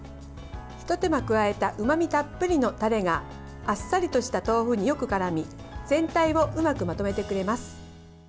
ひと手間加えたうまみたっぷりのタレがあっさりとした豆腐によくからみ全体をうまくまとめてくれます。